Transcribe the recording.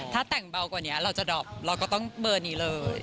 ถ้าแต่งเบากว่านี้อยากรบเราก็ต้องเบอร์นี้